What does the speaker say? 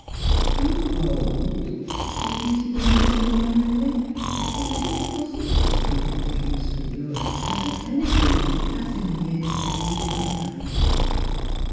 "" Too old? '^ repeated the minister won deringly. It was impossible to think of little IMiss Philura as of anything which the passing years had used unkindly.